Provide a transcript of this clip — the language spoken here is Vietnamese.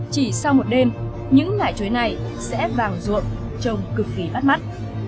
chỉ sau một đêm những nải chuối này sẽ vàng ruộng trông cực kỳ bắt mắt